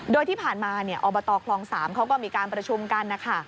โดยที่ผ่านมาอบตคลอง๓เขาก็มีการประชุมกันนะคะ